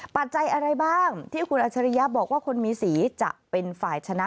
ปัจจัยอะไรบ้างที่คุณอัชริยะบอกว่าคนมีสีจะเป็นฝ่ายชนะ